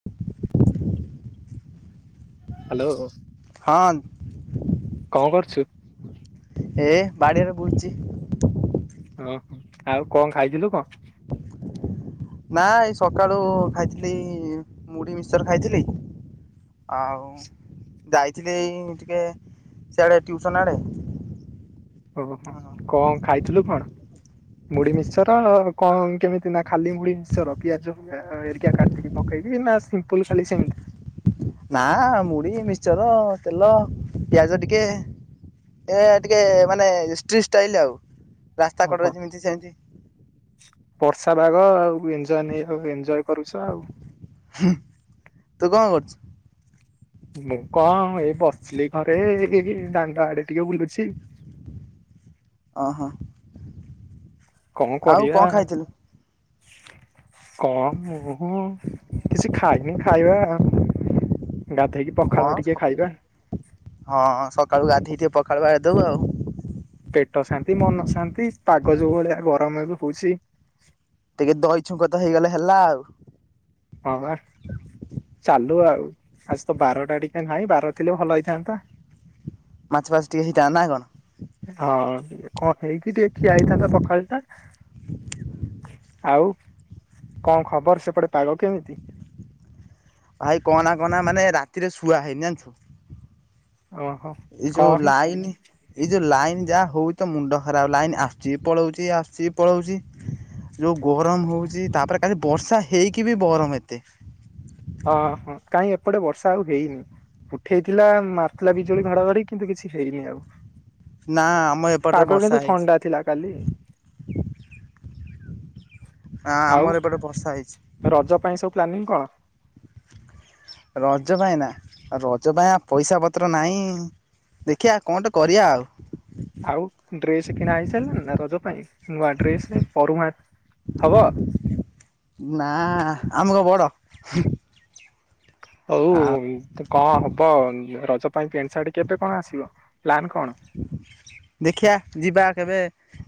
[inaudible] Hello ହଁ କଣ କରୁଛୁ ଏ ବାଡିଆରେ ବୁଲଛି ଓହୋ ଆଉ କଣ ଖାଇଥିଲୁ କଣ ନା ଏଇ ସକାଳୁ ଖାଇଥିଲି ମୁଢି ମିଶରେ ଖାଇଥିଲି ଆଉ ଯାଇଥିଲି ଟିକେ ସିଆଡେ ଟ୍ୟୁସନ ଆଡେ ଓହୋ କଣ ଖାଇଥିଲୁ କଣ ମୁଢି ମିଶ୍ଚର କଣ କେମିତି ନା ଖାଲି ମୁଢି ମିଶର ପିଆଜରିକ କାଟିକି କହକି ନା ସିମ୍ପଲ ଖାଲି ସେମିତି ନା ମୁଢି ମିିକସର ତେଲ ପିଆଜ ଟିକେ ଏ ଟିକେ ମାନେଷ୍ଟି ଷ୍ଟାଇଲ ଆଉ ରାସ୍ତା ଓହୋ କଡରେ ଯେମିତି ସେମିତି ବର୍ଷା ବାାଗ ଆଉ ଏଞଜୟ ନେଇ ଆ ଏଞଜୟ କରୁଛ ଆଉ ତୁ କଣ କରୁଛୁ ମୁଁ କଣ ଏ ବସିଲି ଘରେ ଦାଣ୍ଡ ଆଡେ ଟିକେ ବୁଲୁଛି ଓହୋ କଣ ଆଉ କରିବା ଖାଇଥିଲୁ କଣ ମୁ କିଛି ଖାଇନି ଖାଇବା ଗାଧେଇକି ହଁ ପଖାଳ ଟିକେ ଖାଇବା ହଁ ସକାଳୁ ଗାଧେଇଥିବେ ପଖାଳ ବା ଦବୁ ଆଉ ପେଟ ଶାନ୍ତି ମନ ଶାନ୍ତି ପାଗଜ ଭଳିଆ ଗରମ ଏ ବି ହଉଛି ଟିକେ ଦହି ଛୁଙ୍କ ତ ହେଇଗଲେ ହେଲା ଆଉ ହଁ ଚାଲୁ ଆଉ ଆଜି ତ ବାରଟା ଟିକେ ନାହିଁ ବାର ଥିଲେ ଭଲ ହେଇଥାନ୍ତା ମାଛ ଫାସ ଟିକେ ହେଇଥାନ୍ତା ନା କଣ ହଁ ଟିକେ କଣ ହେଇକି ଟିକେ ଖିଆ ହେଇଥାନ୍ତା ପଖାଳ ଟା ଆଉ କଣ ଖବର ସେପଟେ ପାଗ କେମିତି ଭାଇ କନା କନା ମାନେ ରାତିରେ ସୁୁଆ ହେଇନି ଜାଣିଛୁ ଓହୋ ଏଇ ଯୋଉ କଣ ହେଇଛି କି ଲାଇନି ଏଇ ଯୋଉ ଲାଇନ ଯାହା ହଉ ତ ମୁଣ୍ଡ ଖରାପ ଲାଇନ ଆସୁଛି ପଳଉଛି ଆସଛି ପଳଉଛି ଯୋଉ ଗରମ ହଉଛି ତାପରେ କାଲି ବର୍ଷା ହେଇକି ବି ଗରମ ଏତେ ହଁ ହଁ କାଇ ଏପଟେ ବର୍ଷା ଆଉ ହେଇନି ଉଠେଇଥିଲା ମାରିଥିଲା ବିଜୁଳି ଘଡଘଡି କିନ୍ତୁ କିଛି ହେରିନି ଆଉ ନା ଆମ ଏପଟରେ ପାଗ ବର୍ଷା କିନ୍ତୁ ହେଇଛି ଥଣ୍ଡା ଥିଲା କାଲି ନା ଆଉ ଆମର ଏବେଟେ ବର୍ଷା ହେଇଛି ରଜ ପାଇଁ ସବୁ ପ୍ଲାନିଂ କଣ ରଜ ପାଇଁ ନା ରଜ ପାଇଁ ଆ ପଇସା ପତ୍ର ନାହିଁ ଦେଖିବା କଣଟେ କରିବା ଆଉ ଆଉ ଡ୍ରେସ କିଣା ହେଇସାରିଲଣି ନା ରଜ ପାଇଁ ନୂଆ ଡ୍ରେସ ହବ ନା ଆମେକ ବଡ ହଉ ଆଉ କଣ ହବ ରଜ ପାଇଁ ପ୍ୟାଣ୍ଟ ସାର୍ଟ କେବେ କଣ ଆସିବ ପ୍ଲନ୍ କଣ ଦେଖିବା ଯିବା କେବେ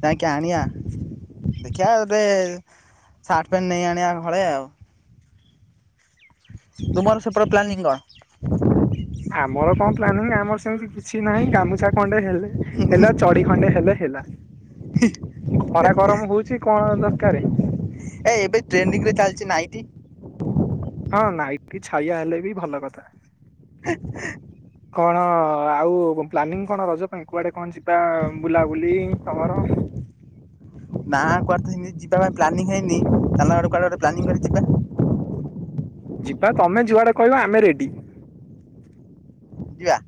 ଯାଇକି ଆଣିବା ଦେଖିବା ଗୋଟେ ସାର୍ଟ ପେଣ୍ଟ ନେଇ ଆଣିବା ହଳେ ଆଉ ତୁମର ସପ୍ରର ପ୍ଲାନିଙ୍ଗ କଣ? ଆମର କଣ ପ୍ଲାନିଂ ଆମର ସେମିତି କିଛି ନାହିଁ ଗାମୁଛା ଖଣ୍ଡେ ହେଲେ ହେଲା ଚଢ ଖଣ୍ଡେ ହେଲେ ହେଲା ଖରା ଗରମ ହଉଛି କଣ ଦରକାର ଏ ଏବେ ଟ୍ରେନିଂ ରେ ଚାଲିଛି ନାଇଟ। ହଁ, ନାଇଟ ଛାଇଆ ହେଲେ ବି ଭଲ କଥା। [unintelligible] କଣ ଆଉ ପ୍ଲାନିଂ କଣ ରଜ ପାଇଁ କୁଆଡେ କଣ ଯିବା ବୁଲାବୁଲି ତମର? [unintelligible] ନା କୁଆ ହେଇି ଯିବା ପାଇଁ ପ୍ଲାନିଂ ହେଇନି, ଚାଲନା କୁଆଡେେ ପ୍ଲାନିଂ କରି ଯିବା। ଯିବା ତମେ ଯୁଆଡେ କହିବା ଆମେ ରେଡି? ଯିବା।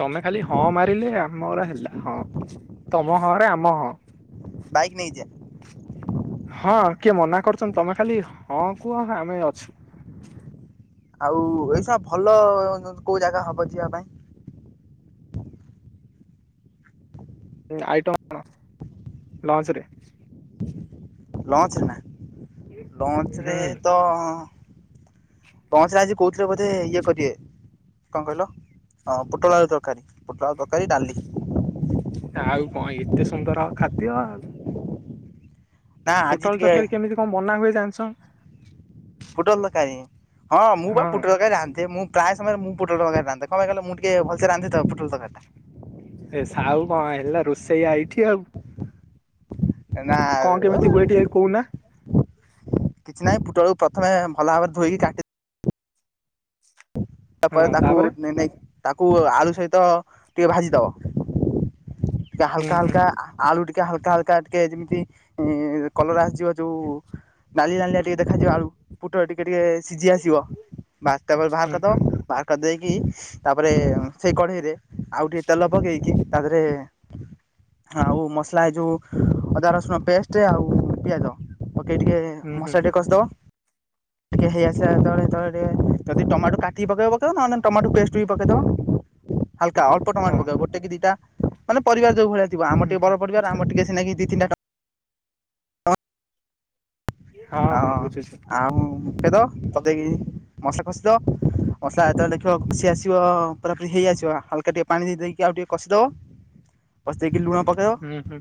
ତମେ ଖାଲି ହଁ ମାରିଲେ, ଆମର ହେଲା ହଁ ତମ ହଁରେ ଆମ ହଁ। ବାଇକ୍ ନେଇ ଯିବା। ହଁ, କିଏ ମନା କରୁଛନ୍ତି? ତମେ ଖାଲି ହଁ କୁହ ଆମେ ଅଛୁ। ଆଉ ଏଇସବ ଭଲ କୋଉ ଜାଗା ହବ ଯିବା ପାଇଁ? ଆଇଟମ୍ କଣ ଲଞ୍ଚରେ? ଲଞ୍ଚ ନା ଲଞ୍ଚରେ ହୁଁ ତ। ପହଞ୍ଚିଲା ଆଜି କହୁଥିଲେ ବୋଧେ ଇଏ କରିବେ। କଣ କହିଲ? ହଁ ପୋଟଳ ଆଳୁ ତରକାରୀ ପୋଟଳ ତରକାରୀ ଡାଲି। ଆଉ କଣ ଏତେ ସୁନ୍ଦର ଖାଦ୍ୟ ଆଉ,? ନା ଆଜି ପୋଟଳ ଟିକେ ତରକାରୀ କେମିତି କଣ ବନା ହୁଏ ଜାଣିଛନ୍? ପୋଟଳ ତରକାରୀ ହଁ ମୁଁ ବା ପୋଟଳ ତରକାରୀ ରାନ୍ଧେ ମୁଁ ପ୍ରାୟ ସମୟରେ ମୁଁ ପୋଟଲ ତରକାରୀ ରାନ୍ଧେ କଣ ପାଇଁ କହିଲ ମୁଁ ଟିକେ ଭଲସେ ରାନ୍ଧେ ତ ପୋଟଲ ତରକାରୀ ଟା। ଏ ସାହୁ କଣ ହେଲା ରୋଷେଇଆ ଏଇଠି ଆଉ। ନା ନା। କଣ କେମିତି ହୁଏ ଟିକେ କହୁନା? କିଛି ନାହିଁ ପୋଟଳୁକୁ ପ୍ରଥମେ ଭଲ ଭାବରେ ଧୋଇକି କାଟି ହଁ ପରେ ତାକୁ ତାପରେ ନେଇ ତାକୁ ଆଳୁ ସହିତ ଟିକେ ଭାଜିଦବ ହୁଁ ହାଲକା ହୁଁ ହାଲକା ଆଳୁ ଟିକେ ହାଲକା ହାଲକା ଟିକେ ଯେମିତି କଲର ଆସିଯିବ ଯୋଉ ନାଲି ନାଲିଆ ଟିକେ ଦେଖାଯିବା ଆଳୁ, ପୋଟଳ ଟିକେ ଟିକେ ସିଝି ଆସିବ, ବା ତାପରେ ବାହାର ହୁଁ କରିଦବ ହୁଁ ବାହାର କରିଦେଇକି ତାପରେ ସେଇ କଢେଇରେ ଆଉ ଟିକେ ତେଲ ପକେଇକି ତା ଦେହରେ ଆଉ ମସଲା ଏ ଯେଉଁ ଅଦା ରସୁଣ ପେଷ୍ଟ, ଆଉ ପିଆଜ ପକେଇ ଟିକିଏ ହୁଁ ହୁଁ ମସଲା ଟିକେ କଷିଦେବ। ଟିକେ ହେଇଆସ ଯେତେବେଳେ ଟ ଯଦି ଟମାଟୋ କାଟିକି ପକେଇବା ପକେଇବ ନହେଲେ ଟମାଟୋ ପେଷ୍ଟ ବି ପକେଇଦବ ହାଲକା ଅଳ୍ପ ଟମାଟ ହଁ ପକବା ଗୋଟେ କି ଦିଟା। ମାନେ ପରିବାର ଯୋଉ ଭଳିଆ ଥିବ। ଆମ ହୁଁ ହୁଁ ବଡ ପରିବାର ଆମ ଟିକେ ଦି ତିନି ଟା ହଁ ଆଉ କେ [unintelligible] ମସଲା ଏତେବେଳେ ଲେଖିବ ଖସି ଆସିବ ପୁରା ପୁରୀ ହେଇ ଆସିବ ହାଲକା ଟିକେ ପାଣି ଦେଇକି ଆଉ ଟିକେ କଷିଦବ। ବସେଇକି ଲୁଣ ପ ହୁଁ ହୁଁ।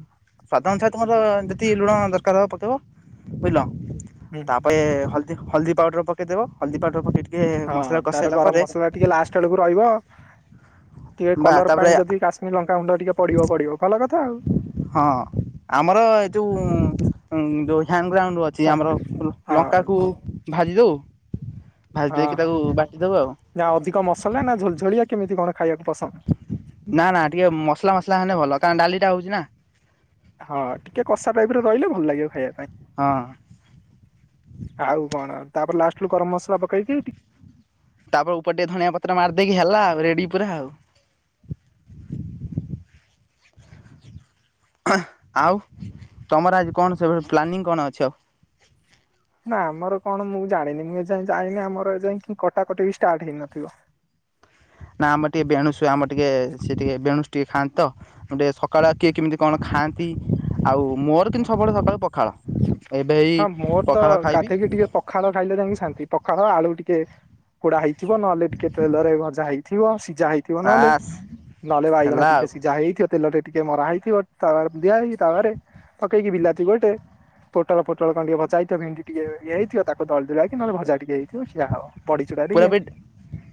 ସ୍ଵାଦ ଅନୁସାରେ ତମର ଯେତିକି ଲୁଣ ଦରକାର ହବ ପକେଇବ ବୁଝିଲ? ହୁଁ ହୁଁ ତାପରେ ହଳଦୀ ହଳଦୀ ପାଉଡର ପକେଇଦବ ହଳଦୀ ପାଉଡର ପକେଇ ଟିକେ ହଁ, ମସଲା କଷି ତାର ସାରିଲା ଗରମ ପରେ ମସଲା ଟିକେ ଲାଷ୍ଟ ବେଳକୁ ରହିବ ଟିକେ ବା କଲର ତାପରେ ପାଇଁ ଯଦି କାଶ୍ମୀର ଲଙ୍କା ଖୁଣ୍ଡ ଟିକେ ପଡିବ ପଡିବ ଭଲ କଥା ଆଉ। ହଁ, ଆମର ଏ ଯୋଉ ଯୋଉ ହାଗ୍ରାଉଣ୍ଡ ଅଛି ସିଏ ତମ ଆମର ହଁ ଲଙ୍କାକୁ ଭାଜି ଦେଉ, ଭାଜି ହଁ ଦେଇକି ହଁ ତାକୁ ବାଟି ଦେଉ ଆଉ। ନା ଅଧିକ ମସଲା ନା ଝଲଝଳିଆ କେମିତି କଣ ଖାଇବାକୁ ପସନ୍ଦ? ନା ନା, ଟିକେ ମସଲା ମସଲା ହେଲେ ଭଲ କାରଣ ଡାଲି ଟା ହଉଛି ନା। ହଁ, ଟିକେ କଷା ଟାଇପ ରହିଲେ ଭଲ ଲାଗିବ ଖାଇବା ପାଇଁ। ହଁ। ଆଉ କଣ? ତାପରେ ଲାଷ୍ଟରୁୁ ଗରମ ମସଲା ପକେଇକି ତାପରେ ଉପର ଟିକେ ଧଣିଆ ପତ୍ର ମାରିଦେଇକି ହେଲା ଆଉ ରେଡି ପୁରା ଆଉ। ଆଉ ତମର ଆଜି କଣ ସେ ପ୍ଲାନିଂ କଣ ଅଛି ଆଉ? ନା ଆମର କଣ ମୁଁ ଜାଣିନି ମୁଁ ଏଯା ଜାଣିନି ଆମର ଏ ଯା କଟାକଟି ବି ଷ୍ଟାର୍ଟ ହେଇନଥିବ। ନା ଆମେ ଟିକେ ବେଣୁସୁ ଆମର ଟିକେ ସେ ଟିକେ ବେଣୁସ ଟିକେ ଖାଆନ୍ତି ତ। ଗୋଟେ ସକାଳ କିଏ କିମିତି କଣ ଖାଆନ୍ତି ଆଉ ମୋ ଲେକିନ ସବୁବେଳେ ସକାଳୁ ପଖାଳ ଏବେଇ ହଁ ମୋର ତ ପଖାଳ ଖାଇବି ଗାଧେଇକି ଟିକେ ପଖାଳ ଖାଇଲେ ଯାଇକି ଶାନ୍ତି ପଖାଳ ଆଳୁ ଟିକେ ପୋଡା ହେଇଥିବ ନହେଲେ ଟିକେ ତେଲରେ ଭଜା ହେଇଥିବ। ଥିବ ସିଝା ହେଇଥିବ ନହଲେ ବାସ୍ ନହେଲେ ବାଇଗଣ ହେଲା ଟିକେ ଆଉ ସିଝା ହେଇଥିବ ତେଲ ଟ ଟିକେ ମରା ହେଇଥିବ ତାୱା ଦିଆହେଇଛି ତାୱାରେ ପକେଇକି ବିଲାତିି ଗୋଟେ ପୋଟଳ ପୋଟଳ କନ୍ ଟିକେ ଭଜା ହେଇଥିଅ ଭେଣ୍ଡି ଟିକିଏ ଇଏ ହେଇଥିବ ତାକୁ ଦଳି ଦୁଳା କି ନହଲେ ଭଜା ଟିକେ ହେଇ ଉଛି ଆହାର ବଡ଼ି ଚୁରା ପୁରା ଟିକେ ବି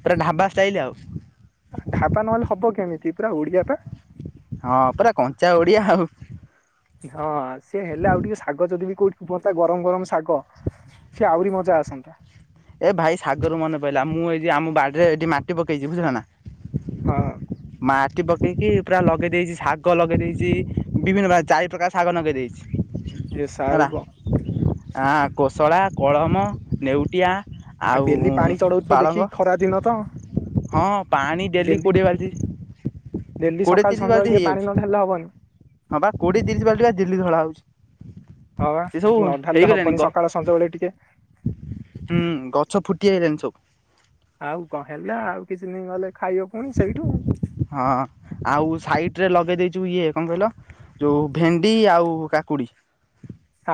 ପୁରା ଢାବା ଷ୍ଟାଇଲ ଆଉ ଢାବା ନହେଲେ ହବ କେମିତି ପୁରା ଓଡିଆ ଟା ହଁ ପୁରା କଞ୍ଚା ଓଡିଆ ଆଉ ହଁ ସେ ହେଲା ଆଉ ଟିକେ ଶାଗ ଯଦି ବି କୋଉଠି ଯୋ ତ ଗରମ ଗରମ ଶାଗ ସିଏ ଆହୁରି ମଜା ଆସନ୍ତା। ଏ ଭାଇ ଶାଗରୁ ମନେ ପଡ଼ିଲା ମୁଁ ଏଇ ଆମ ବାଡିରେ ଏଠି ମାଟି ପକେଇଛି ବୁଝିଲ ନା? ହଁ। ମାଟି ପକେଇକି ପୁରା ଲଗେଇ ଦେଇଛି ଶାଗ ଲଗେଇ ଦେଇଛି ବିଭିନ୍ନ ପ୍ରକାର ଚାରି ପ୍ରକାର ଶାଗ ନଗେଇ ଦେଇଛି। ଯେ ହେଲା ସାଉ କ ଆଁ କୋଶଳା କଳମ ନେଉଟିଆ ଆ ଆଉ ଡେଲି ପାଣି ଚଢଉଥିବ ପାଳଙ୍ଗ ଦେଖିକି ଖରା ଦିନ ତ ହଁ ପାଣି ଡେଲି କୋଡ଼ିଏ ବାଲ୍ଟି ଡେଲି କୋଡ଼ିଏ ସକାଳ ତିରିଶ ବାଲ୍ଟି ସନ୍ଧ୍ୟାଳେ ଟିକେ ପାଣି ହେଇଯାଉଛି ନ ଢାଲେ ହବନି ହଁ ବା କୋଉଠି ତିରିଶ ବାଲ୍ଟି ବା ଦେଲ୍ଲି ଧଳା ହଉଛି ହଁ ବା ସେ ସବୁ ନ ଢାଲେ ହେଇଗଲାଣି ହବନି ଗ ସକାଳ ସଞ୍ଜବେେଳେ ଟିକେ ହୁଁ ଗଛ ଫୁଟି ଆଇଲାଣି ସବୁ ଆଉ କଣ ହେଲା ଆଉ କିଛି ଦିନ ଗଲେ ଖାଇବ ପୁଣି ସେଇଠୁ ହଁ ଆଉ ସାଇଟ ରେ ଲଗେଇ ଦେଇଛୁ ଇଏ କଣ କହିଲ ଯୋଉ ଭେଣ୍ଡି ଆଉ କାକୁଡି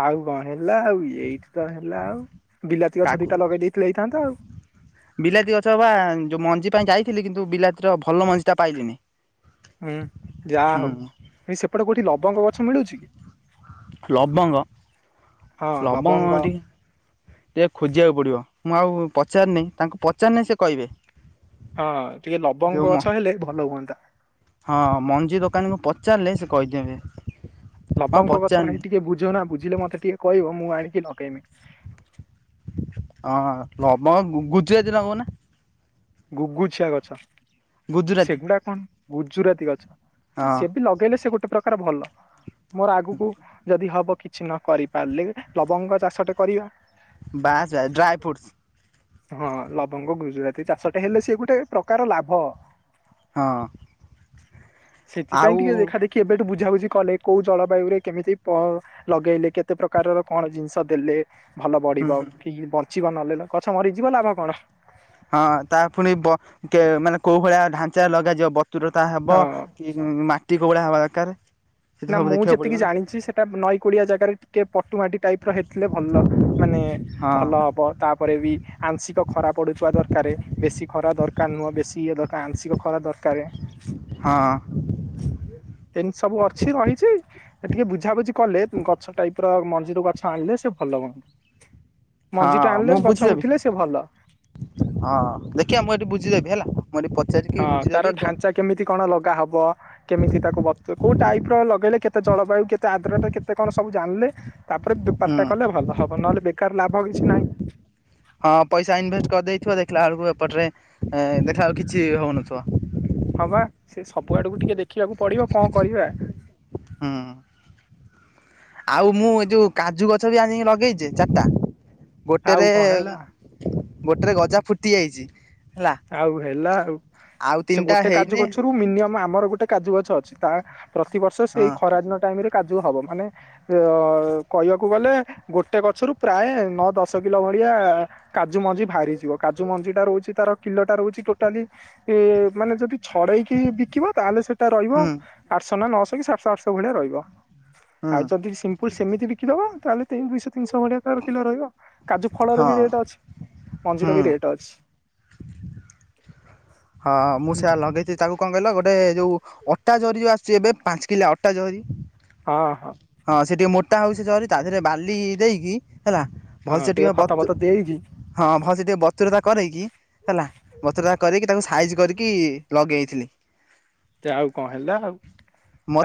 ଆଉ କଣ ହେଲା ଆଉ ଏଇଠି ତ ହେଲା ଆଉ ବିଲାତି ଗଛ କାକୁ ଦିଟା ଲଗେଇ ଦେଇଥିଲେ ହେଇଥାନ୍ତା ଆଉ ବିଲାତି ଗଛ ବା ଯୋଉ ମଞ୍ଜି ପାଇଁ ଯାଇଥିଲି କିନ୍ତୁ ବିଲାତିର ଭଲ ମଞ୍ଜି ଟା ପାଇଲିନି ହୁଁ ଯାହା ହୁଁ ହଉ ଏ ସେପଟେ କୋଉଠି ଲବଙ୍ଗ ଗଛ ମିଳୁଛି ଲବଙ୍ଗ ହଁ ଲବଙ୍ଗ ଲବଙ୍ଗଠୀ ଟିକେ ଖୋଜିବାକୁ ପଡିବ ମୁଁ ଆଉ ପଚାରିନି ତାଙ୍କୁ ପଚାରନି ସେ କହିବେ ହଁ ଟିକେ ଯେଉଁ ଲବଙ୍ଗ ଗଛ ହେଲେ ଭଲ ହୁଅନ୍ତା ହଁ ମଞ୍ଜି ଦୋକାନୀକୁ ପଚାରିଲେ ସେ କହିଦେବେ ମୁଁ ଆଉ ଲବଙ୍କ ଗଛ ପଚାରିନି ଭାଇ ଟିକେ ବୁଝ ନା ବୁଝିଲେ ମତେ ଟିକେ କହିବ ମୁଁ ଆଣିକି ଲଗେଇମି ହଁ ଲବଙ୍ଗ ଗୁଜୁରାତି ଲଗଉନା ଗୁଗୁଛିଆ ଗଛ ଗୁଜୁରାତି ସେଗୁଡା କଣ ଗୁଜୁରାତି ଗଛ ହ ହଁ ସେ ଲଗେଇଲେ ସେ ଗୋଟେ ପ୍ରକାର ଭଲ ମୋର ଆଗକୁ ଯଦି ହବ କି କିଛି ନ କରିପାରିଲେ ଲବଙ୍ଗ ଚାଷଟେ କରିବା ବାସ ବାସ ଡ୍ରାଇ ଫ୍ରୁଟ୍ସ ହଁ ଲବଙ୍ଗ ଗୁଜୁରାତି ଚାଷ ଟେ ହେଲେ ସିଏ ଗୋଟେ ପ୍ରକାର ଲାଭ ହଁ ସେଥିପାଇଁ ଆଉ କିିକେ ଦେଖା ଦେଖି ଏବେଠୁ ବୁଝାବୁଝି କଲେ କୋଉ ଜଳବାୟୁ ରେ କେମିତି ପ ଲଗେଇଲେ କେତେ ପ୍ରକାରର କଣ ଜିନିଷ ଦେଲେ ଭଲ ହୁଁ ବଢିବ କି ବଞ୍ଚିବ ନଲେ ଗଛ ମରିଯିବ ଲାଭ କଣ ହଁ ତା ପୁଣି ବ କେ ମାନେ କୋଉ ଭଳିଆ ଢାଞ୍ଚା ଲଗାଯିବ ବତୁରତା ହବ ହଁ କି ମାଟି କୋଉ ଭଳିଆ ହେବା ଦରକାର ସେ ତ ନା ସବୁ ମୁଁ ଦେଖିବାକୁ ପଡ଼ିବ ଯେତିକି ନା ଜାଣିଛି ସେଟା ନଈ କୋଡିଆ ଜାଗାରେ ଟିକେ ପଟୁମାଟି ଟାଇପ ର ହେଇଥିଲେ ଭଲ ମାନେ ହଁ ଭଲ ହବ ତାପରେ ବି ଆଂଶିକ ଖରା ପଡୁଥିବା ଦରକାରେ ବେଶୀ ଖରା ଦରକାର ନୁହଁ ବେଶୀ ଇଏ ଦରକାର ଆଂଶିକ ଖରା ଦରକାରେ ହଁ ଏମିତି ସବୁ ଅ ଛି ରହିଛି ଟିକେ ବୁଝାବୁଝି କଲେ ଗଛ ଟାଇପ ର ମଞ୍ଜିରୁ ଗଛ ଆଣିଲେ ସେ ଭଲ ହୁଅନ୍ତ [inaudible] ମଞ୍ଜି ଟା ଆଣିଲେ ମୁଁ ଗଛ ବୁଝିଦେବି ଉଠିଲେ ସେ ଭଲ ହଁ ଦେଖିବା ମୁଁ ଏଠି ବୁଝିଦେବି ହେଲା ମୁଁ ଏଠି ପଚାରିକି ହଁ ତାର ବୁଝିଦେବି କଣ ଢାଞ୍ଚା କେମିତି କଣ ଲଗା ହବ କେମିତି ତାକୁ ବ କୋଉ ଟାଇପ ର ଲଗେଇଲେ କେତେ ଜଳବାୟୁ କେତେ ଆଦ୍ରଟ କେତେ କଣ ସବୁ ଜାଣିଲେ ତାପରେ ହୁଁ ଦୁପାରଟା କଲେ ଭଲ ହବ ନହେଲେ ବେକାର ଲାଭ କିଛି ନାହିଁ ହଁ ପଇସା ଇନଭେଷ୍ଟ କରିଦେଇଥିବ ଦେଖିଲା ବେଳକୁ ଏପଟରେ ଦେଖିଲା ଆଉ କିଛି ହଉନଥିବ ହଁବା ସେ ସବୁ ଆଡକୁ ଟିକେ ଦେଖିବାକୁ ପଡିବ କଣ କରିବା ହଁ ଆଉ ମୁଁ ଏ ଯୋଉ କାଜୁ ଗଛ ବି ଆଣିକି ଲଗେଇଛି ଚାରିଟା ଆଉ ଗୋଟେରେ କଣ ହେଲା ଗୋଟେରେ ଗଜା ଫୁଟି ଯାଇଛି ହେଲା ଆଉ ହେଲା ଆଉ ଆଉ ସେ ତିନିଟା ଗୋଟେ କାଜୁ ହେଇନି ଗଛୁରୁ ମିନିମ ଆମର ଗୋଟେ କାଜୁ ଗଛ ଅଛି ତା ପ୍ରତିବର୍ଷ ହଁ ସେଇ ଖରାଦିନ ଟାଇମ ରେ କାଜୁ ହବ ମାନେ ଅ କହିବାକୁ ଗଲେ ଗୋଟେ ଗଛରୁ ପ୍ରାୟ ନଅ ଦଶ କିଲୋ ଭଳିଆ କାଜୁ ମଞ୍ଜି ବାହାରିଯିବ କାଜୁ ମଞ୍ଜି ଟା ରହୁଛି ତାର କିଲୋ ଟା ରହୁଛି ଟୋଟାଲି ଇ-ଇ-ଇ ମାନେ ଯଦି ଛଡେଇକି ବିକିବ ତାହେଲେ ସେଇଟା ରହିବ ହୁଁ ଆଠଶହ ନା ନଅଶହ କି ସାତଶହ ଆଠଶହ ଭଳିଆ ରହିବ। ହୁଁ ଆଉ ଯଦି ସିମ୍ପୁଲ ସେମିତି ବିକିଦବ ତାହେଲେ ତିନ୍ ଦୁଇଶହ ତିନିଶହ ଭଳିଆ ତାର କିଲୋ ରହିବ। କାଜୁ ଫଳର ହଁ ବି ରେଟ୍ ଅଛି, ମଞ୍ଜିର ହୁଁ ବି ରେଟ୍ ଅଛି। ହଁ ମୁଁ ହୁଁ। ସେଆ ଲଗେଇଛି ତାକୁ କଣ କହିଲ ଗୋଟେ ଯୋଉ ଉ ଅଟା ଜରି ଯୋଉ ଆସୁଛି ଏବେ ପାଞ୍ଚ କିଲା ଅଟା ଜରି। ହଁ ହଁ। ହଁ ସେ ଟିକେ ମୋଟା ହଉଛି ସେ ଜରି ତା ଦେହରେ ବାଲି-ଇ-ଇ ଦେଇକି ହେଲା। ଭଲ ହଁ ଟିକେ ସେଟିିକ ଖତ ବତ୍ ଫତ ଦେଇକି ହଁ ଭଲ ସେ ଟିକେ ବତ୍ରୁତା କରେଇକି ହେଲା ବତ୍ରୁତା କରେଇକି ତାକୁ ସାଇଜ୍ କରିକି ଲଗେଇଥିଲେ। ଯାଉ କଣ ହେଲା ଆଉ।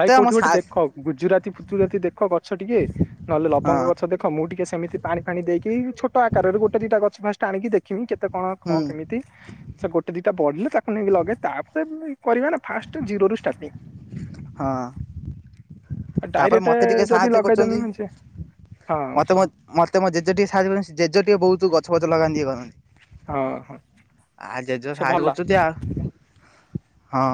ଭାଇ ଆମ କୋଉଠି ସା ଗୋଟେ ଦେଖ ଗୁଜୁରାତି ଫୁଜୁରାତି ଦେଖ ଗଛ ଟିକେ ନହେଲେ ହଁ ଲବଙ୍ଗ ଗଛ ଦେଖ୍ ଅ ମୁଁ ଟିକେ ସେମିତି ପାଣି ଫାଣି ଦେଇକି ଛୋଟ ଆକାରରେ ଗୋଟେ ଦିଟା ଗଛ ଫାଷ୍ଟ ଆଣିକି ଦେଖିବି କେତେ କଣ ହୁଁ କଣ କେମିତି ତି ସେ ଗୋଟେ ଦିଟା ବଢିଲେ ତାକୁ ନେଇକି ଲଗେ ତାପରେ ଏ କରିବା ନା ଫାଷ୍ଟ୍ ଜିରୋ ରୁ ଷ୍ଟାର୍ଟିଂ। ହଁ। ତାପରେ ଡାଇରେକ୍ଟ ମତେ ଟିକେ ଯଦି ସାହାଯ୍ୟ ଲଗେଇଦେମି କରୁଛନ୍ତି। ମେଞ୍ଚେ ହଁ ମତେ ମ ମତେ ମୋ ଜେଜେ ଟିକେ ସାହାଯ୍ୟ କରନ୍ତି ଜେଜେ ଟିକେ ବହୁତ ଗଛ ଫଛ ଲଗାନ୍ତି ଇଏ କରନ୍ତି। ହଁ ହଁ। ଆ ଜେଜ ସେ ସାହାର୍ଯ୍ୟ ଭଲ। କରଛନ୍ତି ଆ ହଁ।